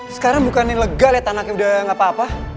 sekarang bukannya legal ya tanahnya udah gak apa apa